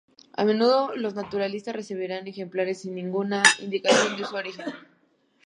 A menudo los naturalistas recibían ejemplares sin ninguna indicación de su origen.